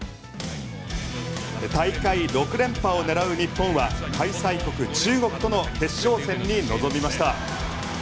大会６連覇を狙う日本は開催国、中国との決勝戦に臨みました。